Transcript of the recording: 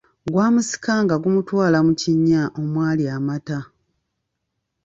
Gwamusika nga gumutwala mu kinnya omwali amata.